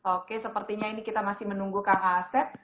oke sepertinya ini kita masih menunggu kang asep